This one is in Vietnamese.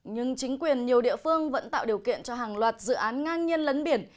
nhưng chính quyền nhiều địa phương vẫn tạo điều kiện cho hàng loạt dự án ngang nhiên lấn biển